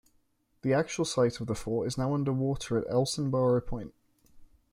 The actual site of the fort is now under water at Elsinboro Point.